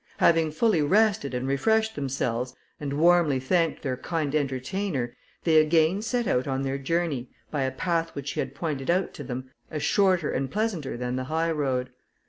Having fully rested and refreshed themselves, and warmly thanked their kind entertainer, they again set out on their journey, by a path which she had pointed out to them, as shorter and pleasanter than the high road.